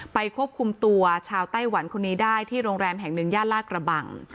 ควบคุมตัวชาวไต้หวันคนนี้ได้ที่โรงแรมแห่งหนึ่งย่านลากระบัง